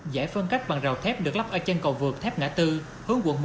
giải phân cách bằng rào thép được lắp ở chân cầu vượt thép ngã tư hướng quận một